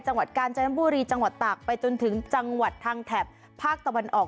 กาญจนบุรีจังหวัดตากไปจนถึงจังหวัดทางแถบภาคตะวันออก